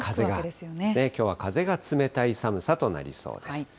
きょうは風が冷たい寒さとなりそうです。